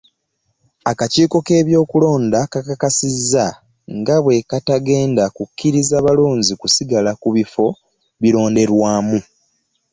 Akakiiko k'ebyokulonda kakakasizza nga bwe katagenda kukkiriza balonzi kusigala ku bifo bironderwamu